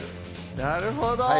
なるほど。